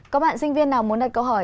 có bạn sinh viên nào muốn đặt câu hỏi